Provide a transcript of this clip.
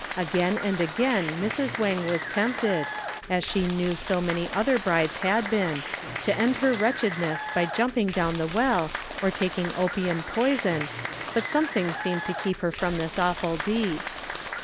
Again and again Mrs. Wang was tempted, as she knew so many other brides had been, to end her wretchedness by jumping down the well or taking opium poison, but something seemed to keep her from this awful deed.